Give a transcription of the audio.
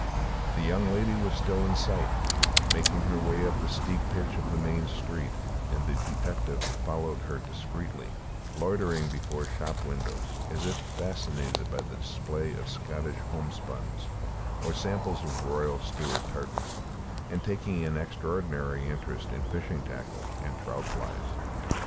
The young lady was still in sight, making her way up the steep pitch of the main street, and the detective followed her discreetly, loitering before shop windows, as if fascinated by the display of Scottish homespuns, or samples of Royal Stewart tartan, and taking an extraordinary interest in fishing tackle and trout flies.